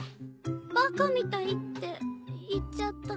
「バカみたい」って言っちゃった。